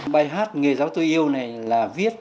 bài hát người giáo tôi yêu này là viết